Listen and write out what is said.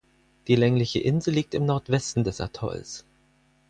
Die längliche Insel liegt im Nordwesten des Atolls.